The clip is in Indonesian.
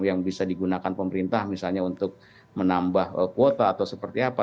yang bisa digunakan pemerintah misalnya untuk menambah kuota atau seperti apa